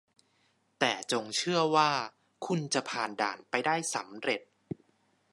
แต่จงเชื่อว่าคุณจะผ่านด่านไปได้สำเร็จ